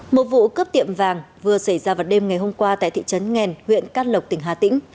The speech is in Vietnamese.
một vụ cướp tiệm vàng vừa xảy ra vào đêm ngày hôm qua tại thị trấn nghèn huyện cát lộc tỉnh hà tĩnh